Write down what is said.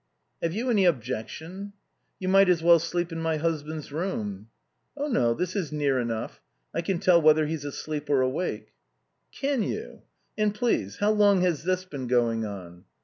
"Have you any objection?" "You might as well sleep in my husband's room." "Oh no, this is near enough. I can tell whether he's asleep or awake." "Can you? And, please, how long has this been going on?"